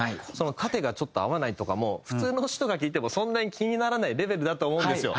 縦がちょっと合わないとかも普通の人が聴いてもそんなに気にならないレベルだと思うんですよ。